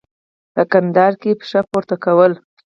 په کندهار کې پشه پورته کول.